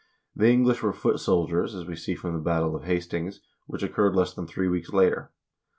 The Eng lish were foot soldiers, as we see from the battle of Hastings, which occurred less than three weeks later.